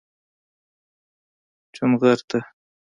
چونغرته